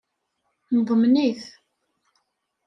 Neḍmen-it.